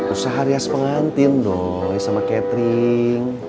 usaha deas pengantin doi sama catering